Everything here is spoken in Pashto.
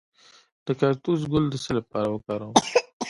د کاکتوس ګل د څه لپاره وکاروم؟